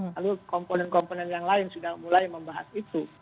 lalu komponen komponen yang lain sudah mulai membahas itu